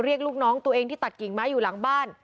ลูกน้องตัวเองที่ตัดกิ่งไม้อยู่หลังบ้าน